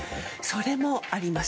それもあります。